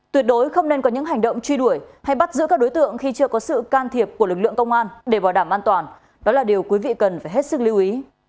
tuyệt đối không nên có những hành động truy đuổi hay bắt giữ các đối tượng khi chưa có sự can thiệp của lực lượng công an để bảo đảm an toàn đó là điều quý vị cần phải hết sức lưu ý